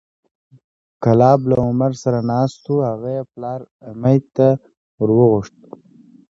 کلاب له عمر سره ناست و هغه یې پلار امیة هم وورغوښت،